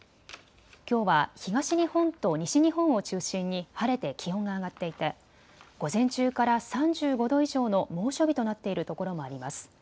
きょうは東日本と西日本を中心に晴れて気温が上がっていて午前中から３５度以上の猛暑日となっているところもあります。